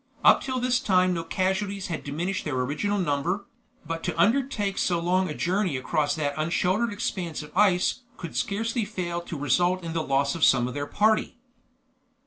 Up till this time no casualties had diminished their original number, but to undertake so long a journey across that unsheltered expanse of ice could scarcely fail to result in the loss of some of their party.